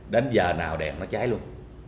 đến giờ nào đèn nó cháy luôn